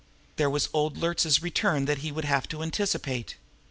There was old Luertz's return that he would have to anticipate.